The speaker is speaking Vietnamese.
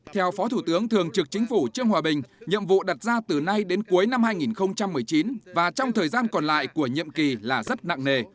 theo phó thủ tướng thường trực chính phủ trương hòa bình nhiệm vụ đặt ra từ nay đến cuối năm hai nghìn một mươi chín và trong thời gian còn lại của nhiệm kỳ là rất nặng nề